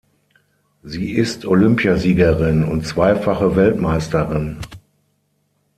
Sie ist Olympiasiegerin und zweifache Weltmeisterin.